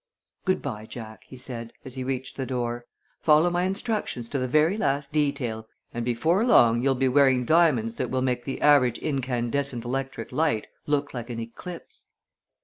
"Good bye, Jack," he said, as he reached the door. "Follow my instructions to the very last detail, and before long you'll be wearing diamonds that will make the average incandescent electric light look like an eclipse."